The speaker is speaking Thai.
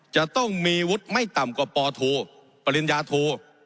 จะต้องมีวุฒิไม่ต่ำกว่าปโทปริญญาโท